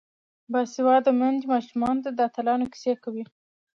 باسواده میندې ماشومانو ته د اتلانو کیسې کوي.